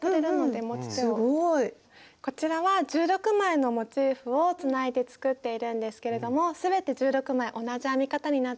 こちらは１６枚のモチーフをつないで作っているんですけれども全て１６枚同じ編み方になっています。